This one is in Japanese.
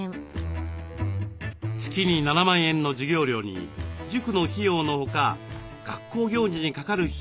月に７万円の授業料に塾の費用のほか学校行事にかかる費用も。